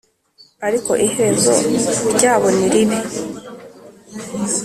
Ariko iherezo ryabo niribi